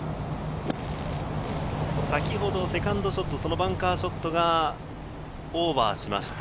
先ほどセカンドショット、そのバンカーショットがオーバーしまして。